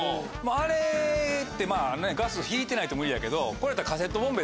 あれってガス引いてないと無理やけどこれやったら。